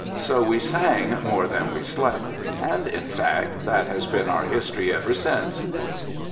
So we sang more than we slept, and, in fact, that has been our history ever since.